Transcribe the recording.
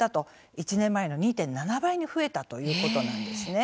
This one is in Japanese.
１年前の２．７倍に増えたということなんです。